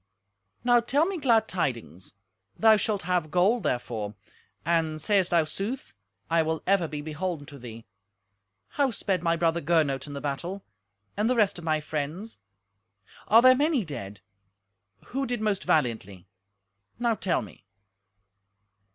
"Now tell me glad tidings; thou shalt have gold therefor; and, sayest thou sooth, I will ever be beholden to thee. How sped my brother Gernot in the battle, and the rest of my friends? Are there many dead? Who did most valiantly? Now tell me."